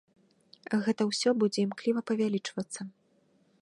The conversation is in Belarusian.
Гэта ўсё будзе імкліва павялічвацца.